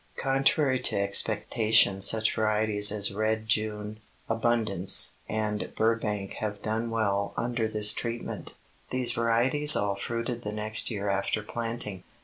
Contrary to expectation such varieties as Red June, Abundance, and Burbank have done well under this treatment. These varieties all fruited the next year after planting.